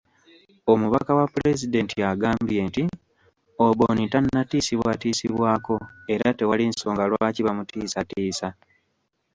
Omubaka wa Pulezidenti agambye nti Oboni tannatiisibwatiisibwako era tewali nsonga lwaki bamutiisatiisa.